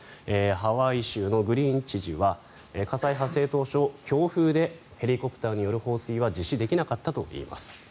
ハワイ州のグリーン知事は火災発生当初強風でヘリコプターによる放水は実施できなかったといいます。